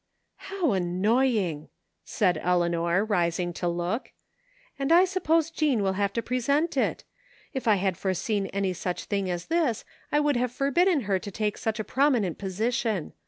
"How annoying!" said Eleanor, rising to look. " And I suppose Jean will have to present it. If I had foreseen any such thing as this I would (have forbidden her to take such a prominent position.